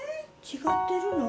違ってるの？